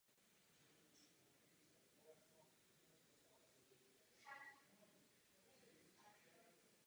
V té době zde byli osadníci německé národnosti.